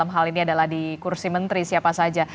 hal ini adalah di kursi menteri siapa saja